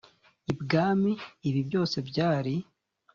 ibwami ibi byose byari